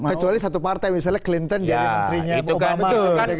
kecuali satu partai misalnya clinton jadi menterinya ibu obama